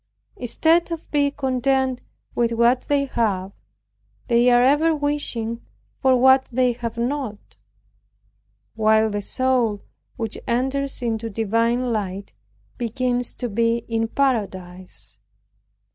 instead of being content with what they have, they are ever wishing for what they have not; while the soul, which enters into divine light begins to be in paradise.